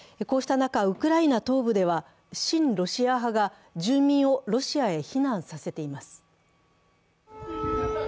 こうした中、ウクライナ東部では親ロシア派が住民をロシアへ避難させています。